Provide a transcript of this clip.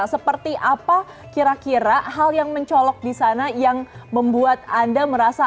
seperti apa kira kira hal yang mencolok di sana yang membuat anda merasa